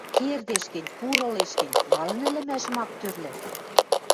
Кердеш гӹнь, пуры ылеш гӹнь, малын ӹлӹмӓшӹм ак тӧрлӹ?..